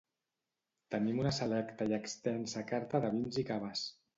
Tenim una selecta i extensa carta de vins i caves.